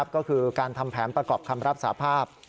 ก็คือการทำแผนประกอบคำรับสาภาพ